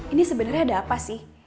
ini sebenarnya ada apa sih